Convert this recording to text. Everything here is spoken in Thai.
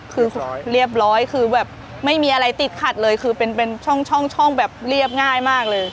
คือเรียบร้อยคือแบบไม่มีอะไรติดขัดเลยคือเป็นช่องแบบเรียบง่ายมากเลย